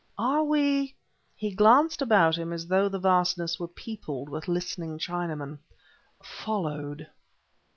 "Are we" he glanced about him as though the vastness were peopled with listening Chinamen "followed?"